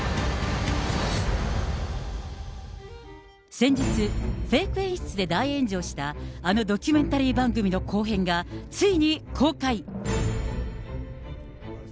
先日、フェイク演出で大炎上したあのドキュメンタリー番組の後編がついに公開。